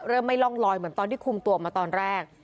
ไม่ร่องลอยเหมือนตอนที่คุมตัวมาตอนแรก